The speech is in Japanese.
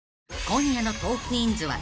［今夜の『トークィーンズ』は］